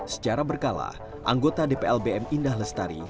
secara berkala anggota dpl bm indah lestari